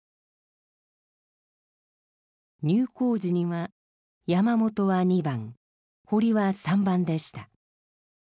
入校時には山本は２番堀は３番でした。